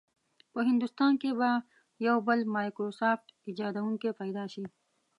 په هندوستان کې به یو بل مایکروسافټ ایجادونکی پیدا شي.